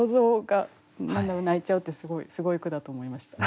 泣いちゃうってすごい句だと思いました。